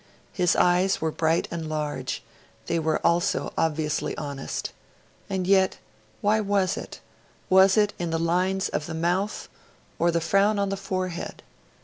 His eyes were bright and large; they were also obviously honest. And yet why was it? Was it in the lines of the mouth or the frown on the forehead?